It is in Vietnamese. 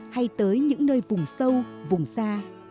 hay tới những nơi vùng sâu vùng xa